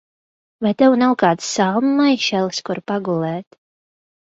Vai tev nav kāds salmu maišelis, kur pagulēt?